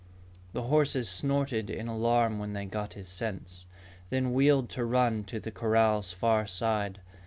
The horses snorted in alarm when they got his scent, then wheeled to run to the corral's far side.